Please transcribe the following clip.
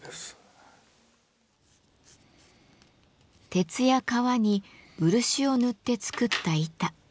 鉄や革に漆を塗って作った板。